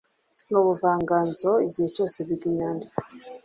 n'ubuvanganzo igihe cyose biga imyandiko